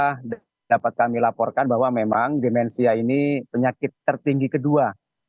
karena dapat kami laporkan bahwa memang demensia ini penyakit tertinggi kedua